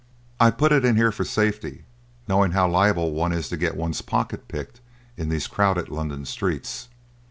"I put it in here for safety, knowing how liable one is to get one's pocket picked in these crowded London streets."